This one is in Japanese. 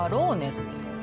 って。